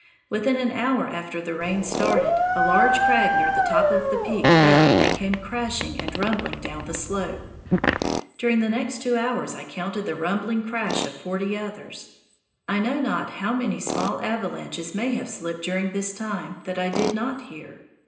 Within an hour after the rain started, a large crag near the top of the peak fell and came crashing and rumbling down the slope. During the next two hours I counted the rumbling crash of forty others. I know not how many small avalanches may have slipped during this time that I did not hear.